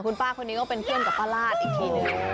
คุณป้าคนนี้ก็เป็นเพื่อนกับป้าลาดอีกทีนึง